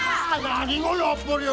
何がやっぱりや。